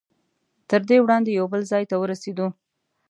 تر دې وړاندې یو بل ځای ته ورسېدو.